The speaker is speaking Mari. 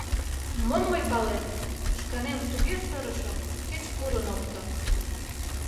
— Мом мый палем?! — шканем туге сырышым, кеч пурын опто.